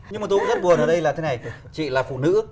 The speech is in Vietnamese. nhưng mà tôi cũng rất buồn ở đây là thế này chị là phụ nữ